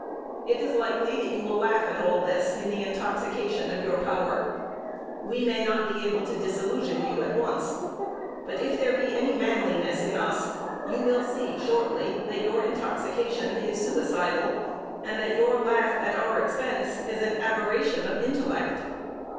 "It is likely that you will laugh at all this in the intoxication of your power. We may not be able to disillusion you at once, but, if there be any manliness in us, you will see shortly that your intoxication is suicidal, and that your laugh at our expense is an aberration of intellect.